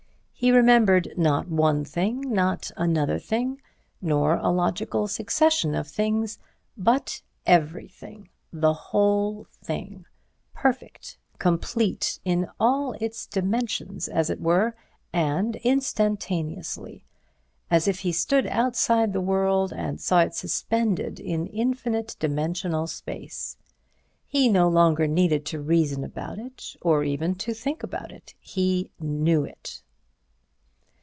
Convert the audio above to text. He remembered—not one thing, nor another thing, nor a logical succession of things, but everything—the whole thing, perfect, complete, in all its dimensions as it were and instantaneously; as if he stood outside the world and saw it suspended in infinitely dimensional space. He no longer needed to reason about it, or even to think about it. He knew it.